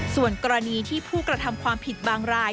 ส่วนกรณีที่ผู้กระทำความผิดบางราย